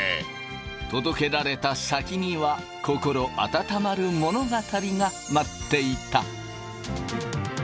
届けられた先には心温まる物語が待っていた！